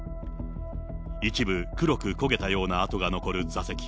一部、黒く焦げたような跡が残る座席。